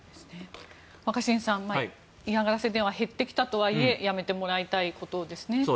若新さん、嫌がらせ電話が減ってきたとはいえやめてもらいたいことですね。